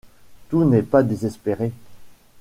Tout n’est pas désespéré.